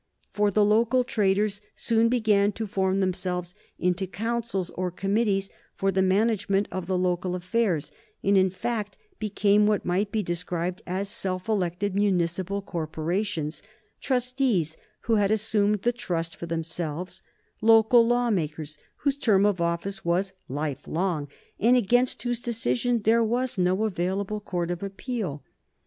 For the local traders soon began to form themselves into councils or committees for the management of the local affairs, and, in fact, became what might be described as self elected municipal corporations; trustees who had assumed the trust for themselves; local law makers whose term of office was lifelong, and against whose decision there was no available court of appeal.